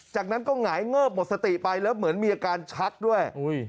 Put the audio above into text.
จากนั้นก็หงายเงิบหมดสติไปแล้วเหมือนมีอาการชักด้วย